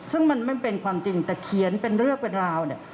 ซึ่งมันไม่เป็นความจริงแต่เขียนเป็นเรื่องเป็นราวเนี่ย